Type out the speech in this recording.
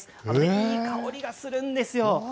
いい香りがするんですよ。